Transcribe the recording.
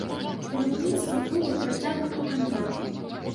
Кіраўніцтва клуба працягнула кантракт.